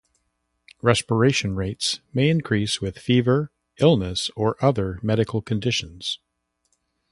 Respiration rates may increase with fever, illness, or other medical conditions.